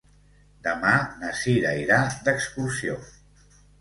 Demà na Sira irà d'excursió.